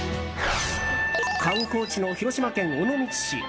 観光地の広島県尾道市。